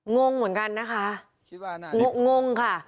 งงเหมือนกันนะคะงงค่ะ